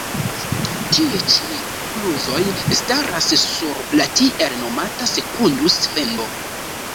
Tiuj ĉi kluzoj staras sur la tiel nomata Sekundus-Fendo.